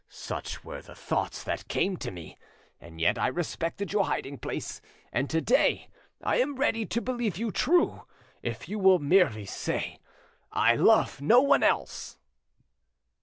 Such were the thoughts that came to me, and yet I respected your hiding place; and to day I am ready to believe you true, if you will merely say, 'I love no one else!